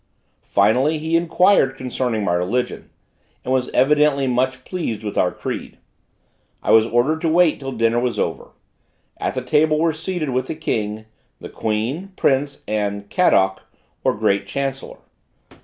Finally, he inquired concerning my religion, and was evidently much pleased with our creed. I was ordered to wait till dinner was over. At the table were seated with the King, the Queen, Prince, and Kadok, or great chancellor.